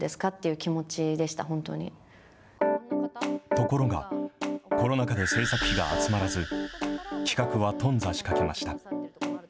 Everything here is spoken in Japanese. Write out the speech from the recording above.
ところが、コロナ禍で制作費が集まらず、企画は頓挫しかけました。